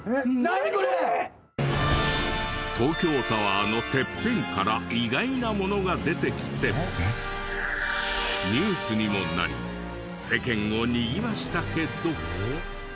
東京タワーのてっぺんから意外なものが出てきてニュースにもなり世間をにぎわしたけど。